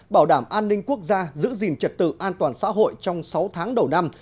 bảo đảm an ninh quốc gia giữ gìn trật tự an toàn xã hội trong sáu tháng đầu năm